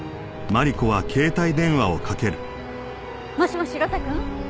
もしもし呂太くん。